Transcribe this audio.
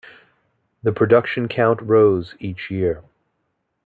The production count rose each year.